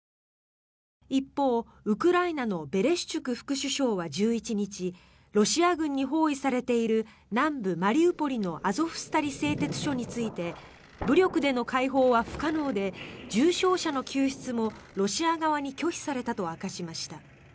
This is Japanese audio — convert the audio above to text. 一方、ウクライナのベレシュチュク副首相は１１日ロシア軍に包囲されている南部マリウポリのアゾフスタリ製鉄所について武力での解放は不可能で重傷者の救出もロシア側に拒否されたと明かしました。